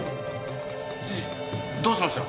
知事どうしました？